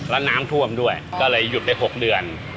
แล้วน้ำท่วมด้วยก็เลยหยุดได้๖เดือน